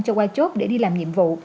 cho qua chốt để đi làm nhiệm vụ